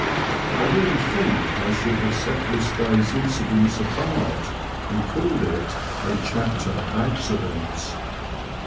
I really think I should have set this* day's incidents apart and called it a Chapter of Accidents.